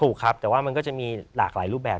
ถูกครับแต่ว่ามันก็จะมีหลากหลายรูปแบบ